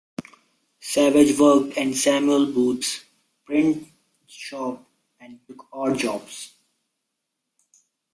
Savage worked in Samuel Booth's print shop and took odd jobs.